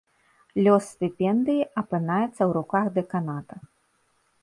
Лёс стыпендыі апынаецца ў руках дэканата.